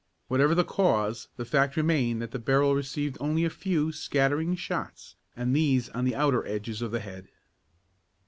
Whatever the cause, the fact remained that the barrel received only a few scattering shots and these on the outer edges of the head.